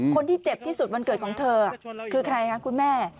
เจ็บที่สุดวันเกิดของเธอคือใครคะคุณแม่